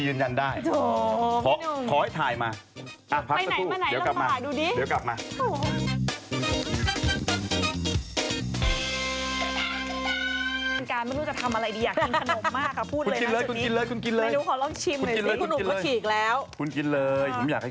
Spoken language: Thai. เอออย่ารู้ได้ไงพี่จะรู้ไง